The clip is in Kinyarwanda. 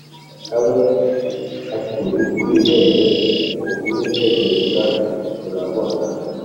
kamwe kakiri kw’ibere mukumwitegereza turabona